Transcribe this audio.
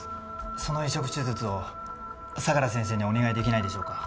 その移植手術を相良先生にお願い出来ないでしょうか？